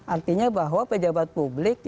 artinya bahwa pejabat publik